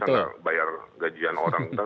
biasanya bayar gajian orang